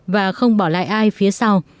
và không bỏ lại ai phía sau